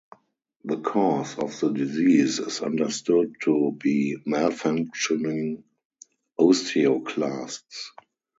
The cause of the disease is understood to be malfunctioning osteoclasts.